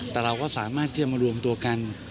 แต่เราก็สามารถที่จะมารวมตัวกัน